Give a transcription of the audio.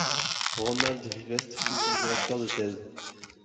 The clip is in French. Ronald Rivest fut son directeur de thèse.